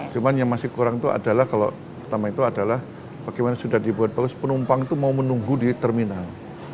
cuma yang masih kurang itu adalah kalau pertama itu adalah bagaimana sudah dibuat bagus penumpang itu mau menunggu di terminal